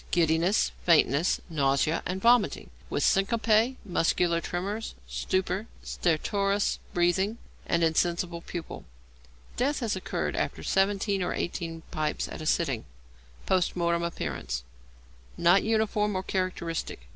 _ Giddiness, fainting, nausea, and vomiting, with syncope, muscular tremors, stupor, stertorous breathing, and insensible pupil. Death has occurred after seventeen or eighteen pipes at a sitting. Post Mortem Appearances. Not uniform or characteristic.